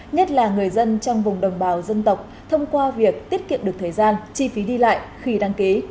nhất là người dân trong vùng đồng bào dân tộc thông qua việc tiết kiệm được thời gian chi phí đi lại khi đăng ký